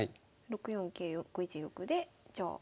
６四桂６一玉でじゃあ。